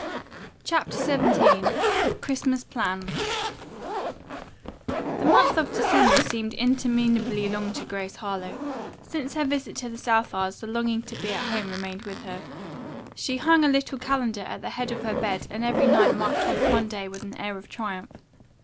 CHAPTER XVII CHRISTMAS PLANS The month of December seemed interminably long to Grace Harlowe. Since her visit to the Southards the longing to be at home remained with her. She hung a little calendar at the head of her bed and every night marked off one day with an air of triumph.